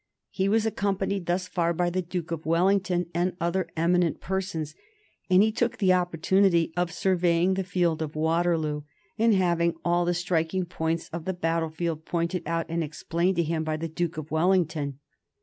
He was accompanied thus far by the Duke of Wellington and other eminent persons, and he took the opportunity of surveying the field of Waterloo, and having all the striking points of the battle field pointed out and explained to him by the Duke of Wellington.